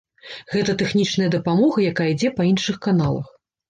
Гэта тэхнічная дапамога, якая ідзе па іншых каналах.